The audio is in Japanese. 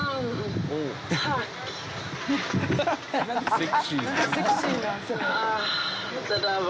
「セクシーな」